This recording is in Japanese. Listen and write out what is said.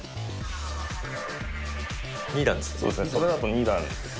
２段です。